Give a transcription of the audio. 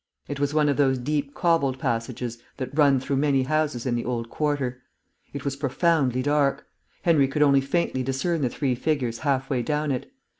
It was one of those deep cobbled passages that run through many houses in the old quarter. It was profoundly dark; Henry could only faintly discern the three figures half way down it.